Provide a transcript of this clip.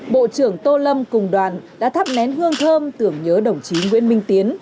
bộ trưởng tô lâm cùng đoàn đã thắp nén hương thơm tưởng nhớ đồng chí nguyễn minh tiến